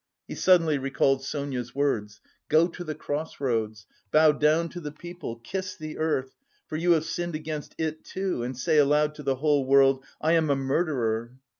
He suddenly recalled Sonia's words, "Go to the cross roads, bow down to the people, kiss the earth, for you have sinned against it too, and say aloud to the whole world, 'I am a murderer.